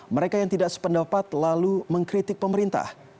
mereka yang tidak sependapat lalu mengkritik pemerintah